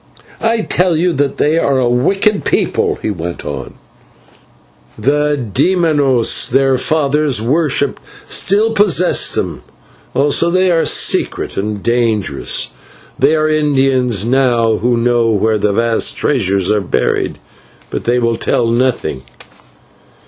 "I tell you that they are a wicked people," he went on, "the /demonios/ their fathers worshipped still possess them, also they are secret and dangerous; there are Indians now who know where vast treasures are buried, but they will tell nothing.